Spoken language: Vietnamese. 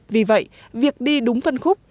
vì vậy việc đi đúng phân khúc